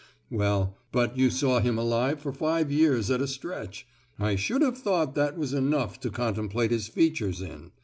"Well but you saw him alive for five years at a stretch,—I should have thought that was enough to contemplate his features in!"